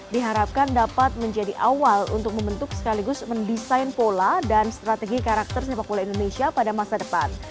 diharapkan dapat menjadi awal untuk membentuk sekaligus mendesain pola dan strategi karakter sepak bola indonesia pada masa depan